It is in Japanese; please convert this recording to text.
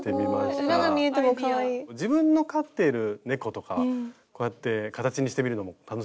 自分の飼っている猫とかこうやって形にしてみるのも楽しいかなと。